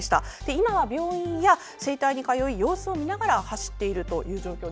今は病院や整体に通い様子を見ながら走っている状況。